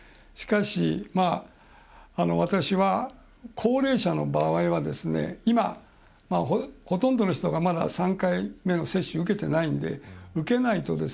しかし、私は高齢者の場合は今、ほとんどの人がまだ３回目の接種受けていないので、受けないと